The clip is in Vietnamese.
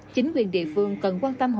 chính quyền địa phương cần quan tâm hỗ trợ